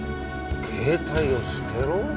携帯を捨てろ？